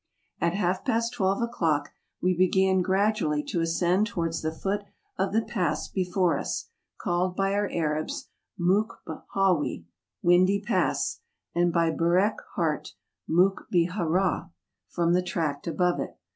At half past twelve o'clock we began gradually to ascend towards the foot of the pass before us, called by our Arabs Miikb Hawy, Windy Pass, and by Burckhardt Mukb er Rahah, from the tract above it.